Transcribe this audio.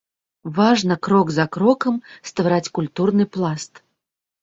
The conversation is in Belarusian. Важна крок за крокам ствараць культурны пласт.